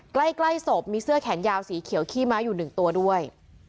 ใกล้ศพมีเสื้อแขนยาวสีเขียวขี้ม้าอยู่๑ตัวด้วย